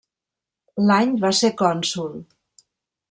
L'any va ser cònsol.